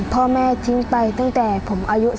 พ่อแม่ทิ้งไปตั้งแต่ผมอายุ